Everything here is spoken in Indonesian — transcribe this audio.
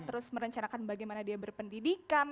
terus merencanakan bagaimana dia berpendidikan